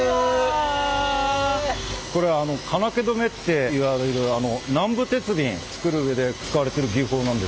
これはあの金気止めっていわれる南部鉄瓶作る上で使われてる技法なんです。